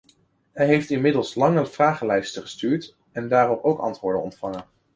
Hij heeft inmiddels lange vragenlijsten gestuurd en daarop ook antwoorden ontvangen.